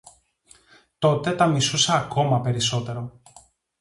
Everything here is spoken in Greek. Τότε τα μισούσα ακόμα περισσότερο